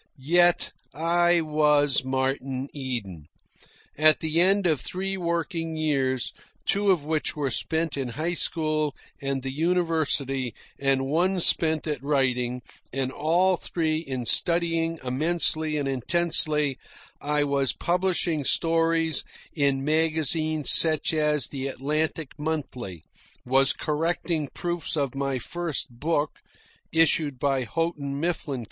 Yet I was Martin Eden. At the end of three working years, two of which were spent in high school and the university and one spent at writing, and all three in studying immensely and intensely, I was publishing stories in magazines such as the "Atlantic Monthly," was correcting proofs of my first book (issued by Houghton, Mifflin Co.)